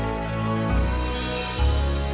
ya aku mau masuk dulu ya